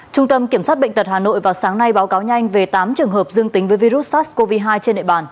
trung tâm kiểm soát bệnh tật hà nội vào sáng nay báo cáo nhanh về tám trường hợp dương tính với virus sars cov hai trên địa bàn